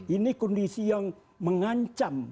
ini kondisi yang mengancam